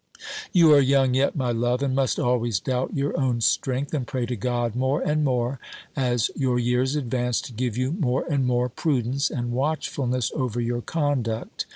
"You are young, yet, my love, and must always doubt your own strength; and pray to God, more and more, as your years advance, to give you more and more prudence, and watchfulness over your conduct.